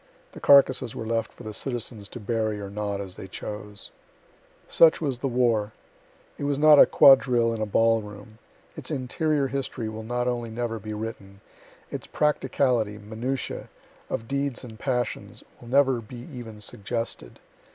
The carcasses were left for the citizens to bury or not, as they chose.) Such was the war. It was not a quadrille in a ball room. Its interior history will not only never be written its practicality, minutia; of deeds and passions, will never be even suggested.